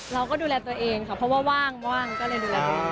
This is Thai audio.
เราก็ดูแลตัวเองค่ะเพราะว่าว่างก็เลยดูแลตัวเอง